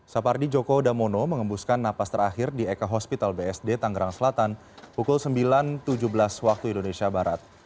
sapardi joko damono mengembuskan napas terakhir di ek hospital bsd tanggerang selatan pukul sembilan tujuh belas waktu indonesia barat